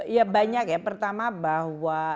ya banyak ya pertama bahwa